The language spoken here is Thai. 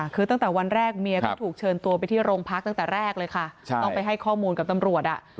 คือตั้งแต่วันแรกเมียก็ถูกเชิญตัวไปที่โรงพักตั้งแต่แรกเลยค่ะต้องไปให้ข้อมูลกับตำรวจ